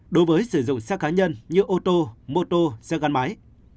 đối với sử dụng xe cá nhân như ô tô mô tô xe gắn máy